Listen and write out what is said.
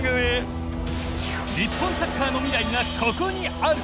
日本サッカーの未来がここにある！